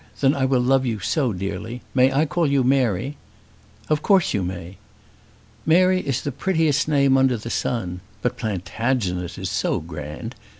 Then I will love you so dearly. May I call you Mary?" "Of course you may." "Mary is the prettiest name under the sun. But Plantagenet is so grand!